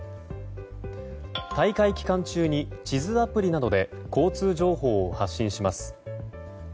大会期間中に地図アプリなどで交通情報を発信します。